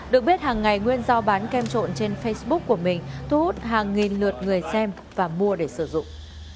được biết hàng ngày nguyên giao bán kem trộn trên facebook của mình thu hút hàng nghìn lượt người xem và mua để sử dụng